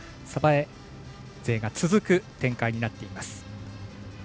鯖江勢が続く展開になっています。